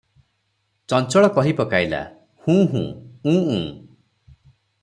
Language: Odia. ଚଞ୍ଚଳ କହି ପକାଇଲା, ହୁଁ -ହୁଁ -ଉଁ -ଉଁ ।"